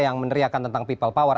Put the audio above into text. yang meneriakan tentang people power